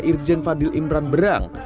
irjen fadil imran berang